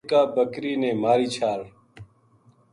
اِکا بکری نے ماری چھال